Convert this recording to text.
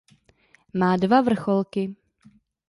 Má dva vrcholky.